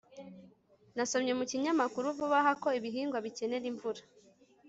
nasomye mu kinyamakuru vuba aha ko ibihingwa bikenera imvura